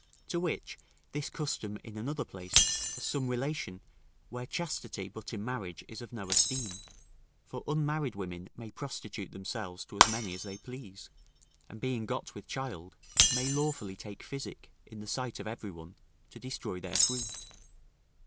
To which, this custom, in another place, has some relation, where chastity, but in marriage, is of no esteem, for unmarried women may prostitute themselves to as many as they please, and being got with child, may lawfully take physic, in the sight of every one, to destroy their fruit.